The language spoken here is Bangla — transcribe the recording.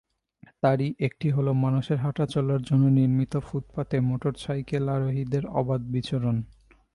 তারই একটি হলো মানুষের হাঁটাচলার জন্য নির্মিত ফুটপাতে মোটরসাইকেল আরোহীদের অবাধ বিচরণ।